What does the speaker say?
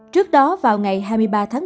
trước đó vào ngày hai mươi ba tháng một mươi một